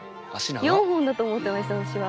４本だと思ってました私は。